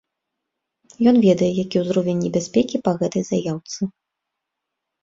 Ён ведае, які ўзровень небяспекі па гэтай заяўцы.